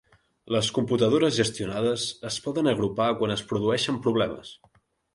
Les computadores gestionades es poden agrupar quan es produeixen problemes.